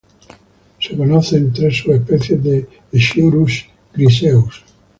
Se conocen tres subespecies de "Sciurus griseus".